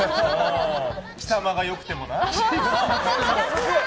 貴様がよくてもな。